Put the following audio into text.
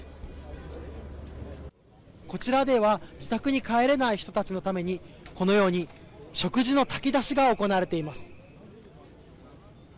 こちらでは自宅に帰れない人たちのためにこのように食事の炊き出しが行われています。